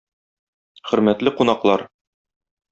Хөрмәтле кунаклар!